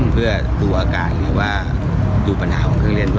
เพื่อดูอาการหรือว่าดูปัญหาของเครื่องเล่น